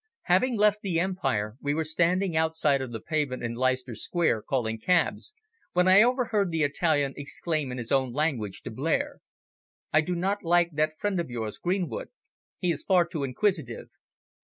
Having left the Empire, we were standing outside on the pavement in Leicester Square calling cabs, when I overheard the Italian exclaim in his own language to Blair, "I do not like that friend of yours Greenwood. He is far too inquisitive."